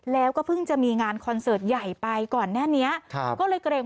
แล้วก็เพิ่งจะมีงานคอนเสิร์ตใหญ่ไปก่อนหน้านี้ครับก็เลยเกรง